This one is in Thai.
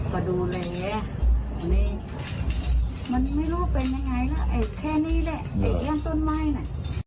ก็ดูแลนี่มันไม่รู้ว่าเป็นยังไงล่ะแค่นี้แหละเอกย่างต้นไม้น่ะ